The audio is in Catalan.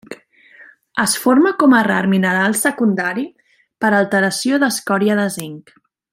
Es forma com a rar mineral secundari per alteració d'escòria de zinc.